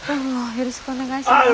よろしくお願いします。